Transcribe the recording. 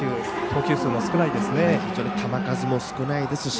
投球数も少ないですね。